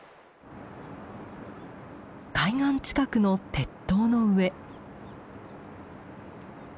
海岸近くの鉄塔の上。